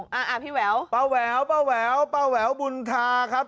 ป้าแว๋วป้าแว๋วป้าแว๋วป้าแว๋วบุญทาครับ